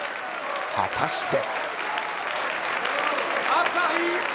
果たして。